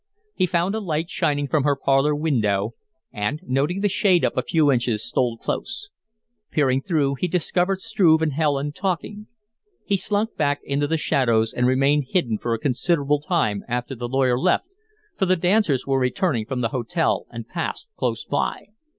He found a light shining from her parlor window, and, noting the shade up a few inches, stole close. Peering through, he discovered Struve and Helen talking. He slunk back into the shadows and remained hidden for a considerable time after the lawyer left, for the dancers were returning from the hotel and passed close by.